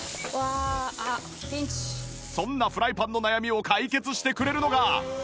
そんなフライパンの悩みを解決してくれるのが